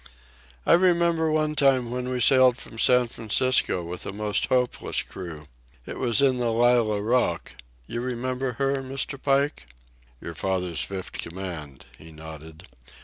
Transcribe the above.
"I remember one time when we sailed from San Francisco with a most hopeless crew. It was in the Lallah Rookh—you remember her, Mr. Pike?" "Your father's fifth command," he nodded.